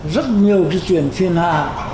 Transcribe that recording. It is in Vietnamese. rất nhiều chuyển phiền hạ